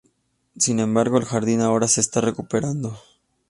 Sin embargo, el jardín ahora se está recuperando.